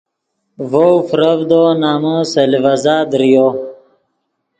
ڤؤ فرڤدو نمن سے لیڤزا دریو